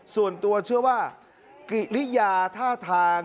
ส่วนตัวเชื่อว่ากิริยาท่าทาง